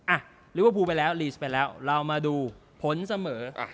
อ่ะลิเวอร์พูลไปแล้วลีสไปแล้วเรามาดูผลเสมอ